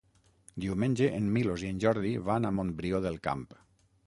Diumenge en Milos i en Jordi van a Montbrió del Camp.